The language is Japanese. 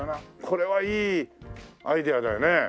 これはいいアイデアだよね。